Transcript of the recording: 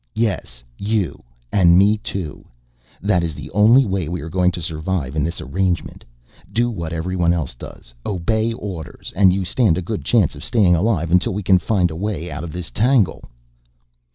"Yes, you and me, too. That is the only way we are going to survive in this arrangement. Do what everyone else does, obey orders, and you stand a good chance of staying alive until we can find a way out of this tangle."